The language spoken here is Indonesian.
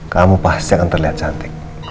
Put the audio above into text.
kamu pasti akan terlihat cantik